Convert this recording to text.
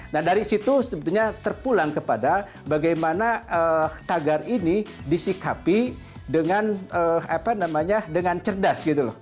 nah dari situ sebetulnya terpulang kepada bagaimana tagar ini disikapi dengan cerdas gitu loh